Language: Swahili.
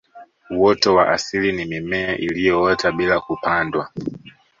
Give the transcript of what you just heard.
uoto wa asili ni mimea iliyoota bila kupandwa